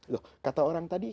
loh kata orang tadi